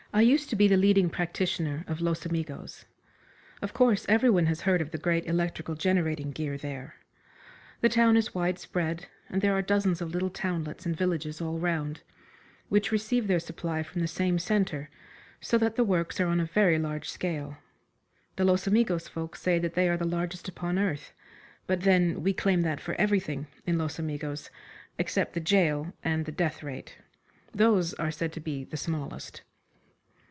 I used to be the leading practitioner of Los Amigos. Of course, everyone has heard of the great electrical generating gear there. The town is wide spread, and there are dozens of little townlets and villages all round, which receive their supply from the same centre, so that the works are on a very large scale. The Los Amigos folk say that they are the largest upon earth, but then we claim that for everything in Los Amigos except the gaol and the death rate. Those are said to be the smallest.